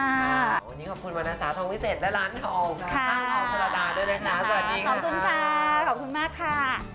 วันนี้ขอบคุณวรรณสาธารณ์วิเศษและร้านของของสละตาด้วยนะคะสวัสดีค่ะขอบคุณค่ะขอบคุณมากค่ะ